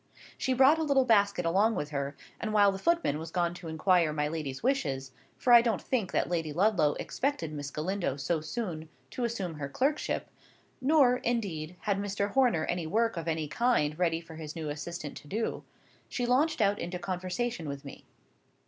She brought a little basket along with her and while the footman was gone to inquire my lady's wishes (for I don't think that Lady Ludlow expected Miss Galindo so soon to assume her clerkship; nor, indeed, had Mr. Horner any work of any kind ready for his new assistant to do), she launched out into conversation with me.